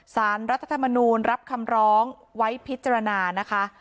สารรัฐธรรมนูลรับคำร้องไว้พิจารณานะคะ